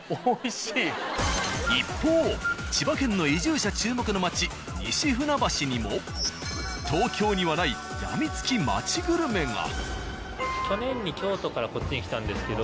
一方千葉県の移住者注目の街西船橋にも東京にはないヤミツキ街グルメが。